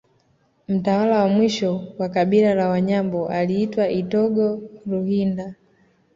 Mtawala wa mwisho wa kabila la Wanyambo aliitwa Itogo Ruhinda